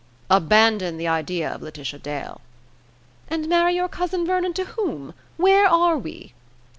"Abandon the idea of Laetitia Dale." "And marry your cousin Vernon to whom? Where are we?"